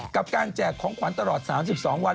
กับการแจกของขวัญตลอด๓๒วัน